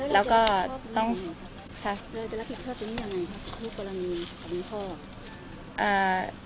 แล้วก็ต้องค่ะรักษาตินี่ยังไงครับรูปกรณีของพ่ออ่า